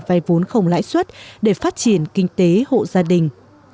vay vốn không lãi suất để phát triển kinh tế hộ gia đình